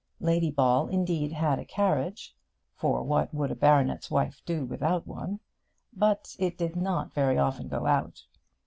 Lady Ball indeed had a carriage for what would a baronet's wife do without one? but it did not very often go out.